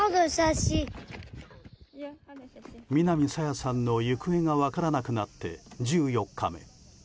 南朝芽さんの行方が分からなくなって１４日目。